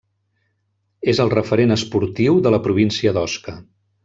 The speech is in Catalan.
És el referent esportiu de la província d'Osca.